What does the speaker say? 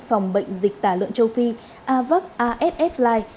phòng bệnh dịch tả lợn châu phi avac asf li